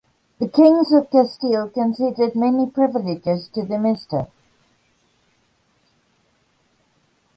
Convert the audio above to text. The kings of Castile conceded many privileges to the Mesta.